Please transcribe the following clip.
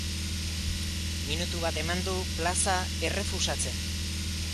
Minutu bat eman du plaza errefusatzen.